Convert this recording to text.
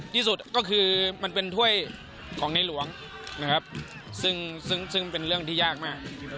ที่สุดก็คือมันเป็นถ้วยของในหลวงนะครับซึ่งเป็นเรื่องที่ยากมาก